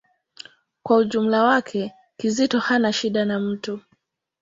Kwa ujumla wake, Kizito hana shida na mtu.